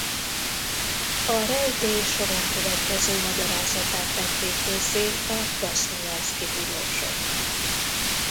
A rejtély soron következő magyarázatát tették közzé a krasznojarszki tudósok.